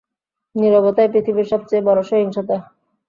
নীরবতাই পৃথিবীর সবচেয়ে বড় সহিংসতা।